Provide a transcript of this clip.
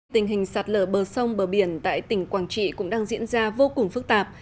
tình hình sạt lở bờ sông bờ biển tại tỉnh quảng trị cũng đang diễn ra vô cùng phức tạp